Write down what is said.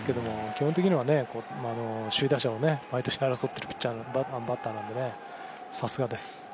基本的には首位打者を毎年争っているバッターなのでさすがです。